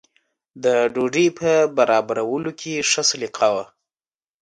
د ډوډۍ په برابرولو کې ښه سلیقه وه.